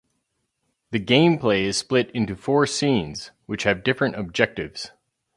The gameplay is split into four scenes, which have different objectives.